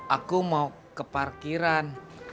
aku mau ke parkiran